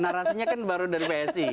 narasinya kan baru dari psi